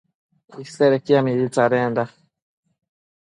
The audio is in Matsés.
Isedequida mibi tsadenda